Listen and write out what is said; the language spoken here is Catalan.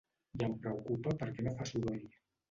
I em preocupa perquè no fa soroll.